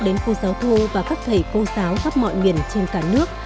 đến cô giáo thu và các thầy cô giáo khắp mọi miền trên cả nước